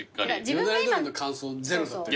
よだれどりの感想ゼロだったよ。